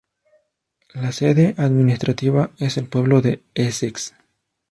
La sede administrativa es el pueblo de Essex.